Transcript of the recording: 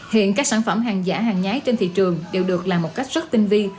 hiện các sản phẩm hàng giả hàng nhái trên thị trường đều được làm một cách rất tinh vi